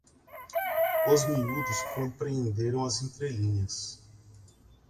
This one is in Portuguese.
Os miúdos compreenderam as entrelinhas